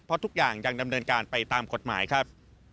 เพราะทุกอย่างยังดำเนินการไปตามกฎหมายครับ